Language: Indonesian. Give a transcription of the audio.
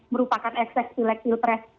merupakan eksek pilih pilpres